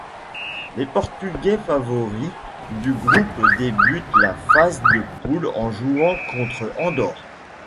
Les Portugais favoris du groupe débutent la phase de poule en jouant contre Andorre.